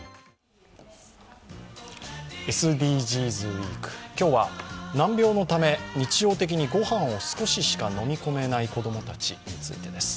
ウィーク、今日は難病のため日常的に御飯を少ししか飲み込めない子供たちについてです。